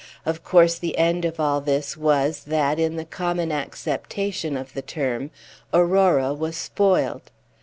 Of course the end of all this was, that, in the common acceptation of the term, Aurora was spoiled.